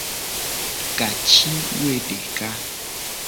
Ka ci woe deka.